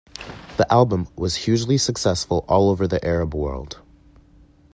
The album was hugely successful all over the Arab world.